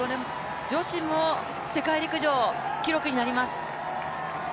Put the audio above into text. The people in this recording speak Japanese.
女子も世界陸上記録になります。